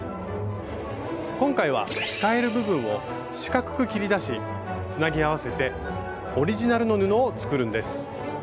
今回は使える部分を四角く切り出しつなぎ合わせてオリジナルの布を作るんです。